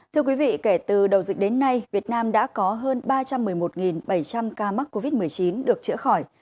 thưa quý vị kể từ đầu dịch đến nay việt nam đã có hơn ba trăm một mươi một bảy trăm linh ca mắc covid một mươi chín được chữa khỏi